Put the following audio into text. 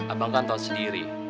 abang kan tau sendiri